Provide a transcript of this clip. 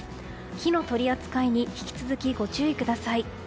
火の取り扱いに引き続きご注意ください。